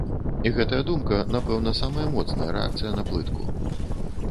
І гэтая думка, напэўна, самая моцная рэакцыя на плытку.